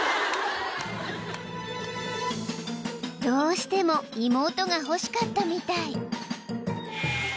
［どうしても妹が欲しかったみたい］